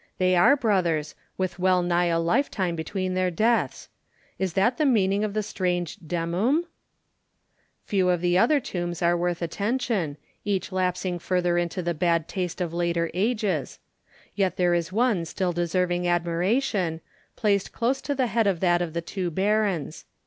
They are brothers, with well nigh a lifetime between their deaths. Is that the meaning of that strange Demum? Few of the other tombs are worth attention, each lapsing further into the bad taste of later ages; yet there is one still deserving admiration, placed close to the head of that of the two Barons.